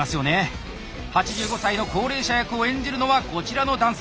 ８５歳の高齢者役を演じるのはこちらの男性。